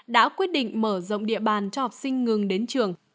đã quyết định mở rộng địa bàn cho học sinh ngừng đến trường